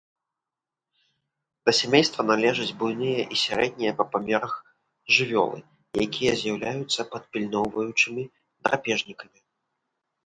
Да сямейства належаць буйныя і сярэднія па памерах жывёлы, якія з'яўляюцца падпільноўваючымі драпежнікамі.